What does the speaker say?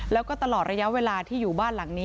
แล้วก็ตลอดระยะเวลาที่อยู่บ้านหลังนี้